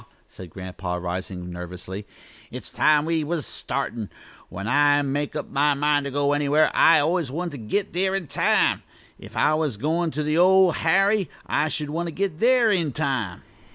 said Grandpa, rising nervously. "It's time we was startin'. When I make up my mind to go anywhere I always want to git there in time. If I was goin' to the Old Harry, I should want to git there in time."